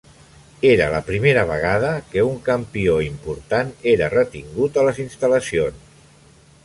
Era la primera vegada que un campió important era retingut a les instal·lacions.